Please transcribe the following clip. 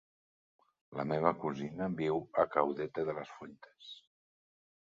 La meva cosina viu a Caudete de las Fuentes.